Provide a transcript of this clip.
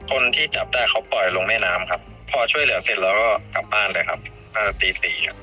คนที่จับได้เขาปล่อยลงแม่น้ำครับพอช่วยเหลือเสร็จแล้วก็กลับบ้านเลยครับประมาณตีสี่ครับ